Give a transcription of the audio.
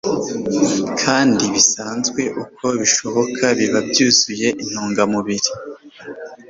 kandi busanzwe uko bishoboka biba byuzuye intungamubiri